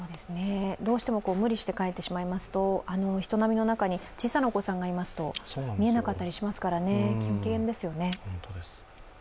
どうしても無理して帰ってしまいますと、人波の中に小さなお子さんがいますと見えなかったりしますからね。